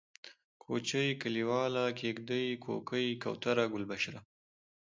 کوچۍ ، کليواله ، کيږدۍ ، کوکۍ ، کوتره ، گلبشره